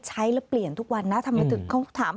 ใช้แล้วเปลี่ยนทุกวันนะถ้ามายุ่งต้องถาม